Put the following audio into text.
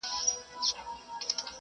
افغانان د هیواد افتخارات شریک لري.